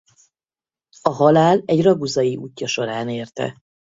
A halál egy raguzai útja során érte.